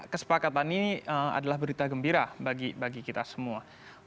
kesepakatan ini adalah berita gembira bagi kita semua